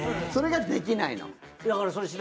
それができないの。